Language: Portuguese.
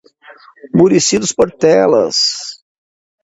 Murici dos Portelas